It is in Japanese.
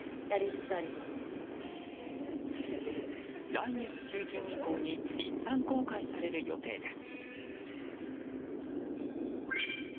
来月中旬以降に一般公開される予定です。